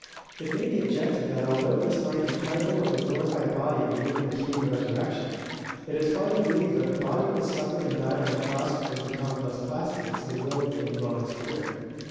It may be objected that although this might be credible of the glorified body of even the human resurrection, it is hard to believe that the body which suffered and died on the cross could become thus plastic to the will of the indwelling spirit.